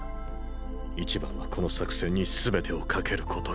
一番はこの作戦にすべてを懸けることに。